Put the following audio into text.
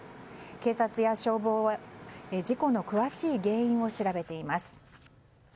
警察や消防は事故の詳しい原因を調べています。